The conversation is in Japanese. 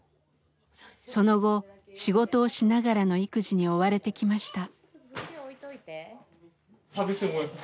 その後仕事をしながらの育児に追われてきました。